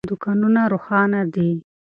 دوکانونه روښانه دي.